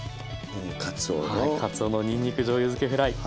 はいかつおのにんにくじょうゆづけフライ。